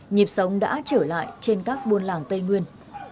nhịp sống đã trở lại trên các buôn làng tây nguyên